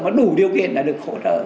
có đủ điều kiện là được hỗ trợ